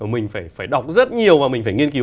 mình phải đọc rất nhiều và mình phải nghiên cứu